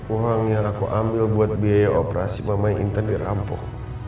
uang yang aku ambil buat biaya operasi mama yang intent dirampok